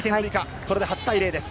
これで８対０です。